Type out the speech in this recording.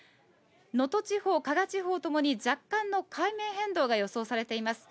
能登地方、加賀地方ともに若干の海面変動が予想されています。